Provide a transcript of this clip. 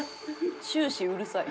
終始うるさい。